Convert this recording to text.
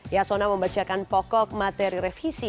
yasson naloli membacakan pokok materi revisi